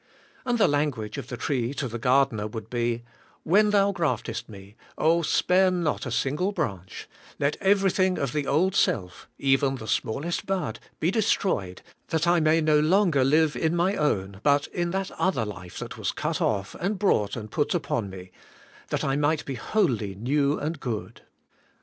And the language of the tree to the gardener would be: 'When thou graftest me, spare not a single branch ; let everything of the old self, even the smallest bud, be destroyed, that I may no longer live in my own, but in that other life that was cut off and brought and put upon me, that I might be wholly new and good.'